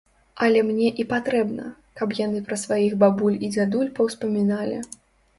Але мне і патрэбна, каб яны пра сваіх бабуль і дзядуль паўспаміналі.